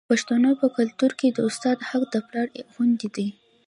د پښتنو په کلتور کې د استاد حق د پلار غوندې دی.